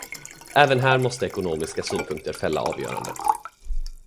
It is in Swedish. Även här måste ekonomiska synpunkter fälla avgörandet.